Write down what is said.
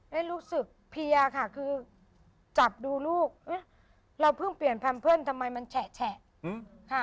ได้รู้สึกเพียค่ะคือจับดูลูกเราเพิ่งเปลี่ยนแพมเพิร์นทำไมมันแฉะค่ะ